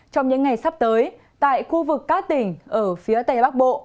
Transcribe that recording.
trong những ngày sắp tới tại khu vực các tỉnh ở phía tây bắc bộ